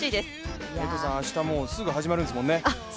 明日、もうすぐ始まるんですもんね。